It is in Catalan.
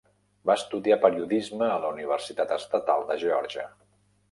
Va estudiar periodisme a la Universitat Estatal de Geòrgia.